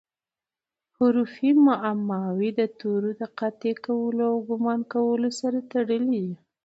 حروفي معماوي د تورو د قاطع کولو او ګومان کولو سره تړلي دي.